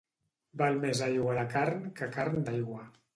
Val més aigua de carn que carn d'aigua.